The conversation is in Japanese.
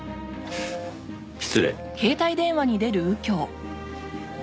失礼。